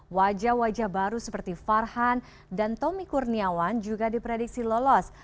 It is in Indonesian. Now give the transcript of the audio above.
wajah wajah baru seperti farhan dan tommy kurniawan juga diprediksi lolos